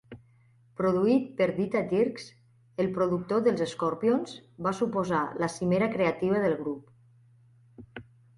Produït per Dieter Dierks, el productor dels Scorpions, va suposar la cimera creativa del grup.